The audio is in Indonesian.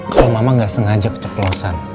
kalo mama gak sengaja keceplosan